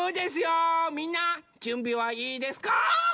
みんなじゅんびはいいですか？